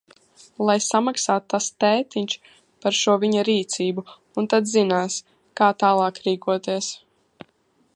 Lai samaksā tas tētiņš par šo viņa rīcību, un tad zinās, kā tālāk rīkoties.